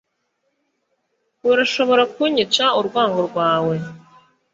urashobora kunyica urwango rwawe